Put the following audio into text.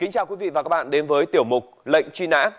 xin chào quý vị và các bạn đến với tiểu mục lệnh truy nã